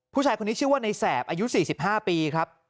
ผู้ชายคนนี้ชื่อว่าในแสบอายุ๔๕ปีครับ